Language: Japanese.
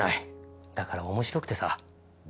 だから面白くてさ。